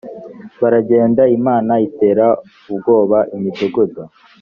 baragenda imana itera ubwoba imidugudu